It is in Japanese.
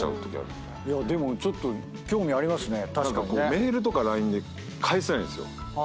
メールとかＬＩＮＥで返せないんですよ。